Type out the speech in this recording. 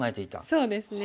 そうですね。